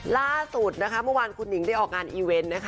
ล่าสุดนะคะเมื่อวานคุณหิงได้ออกงานอีเวนต์นะคะ